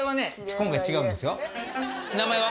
今回違うんですよ名前は？